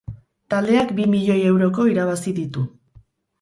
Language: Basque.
Taldeak bi milioi euroko irabazi ditu.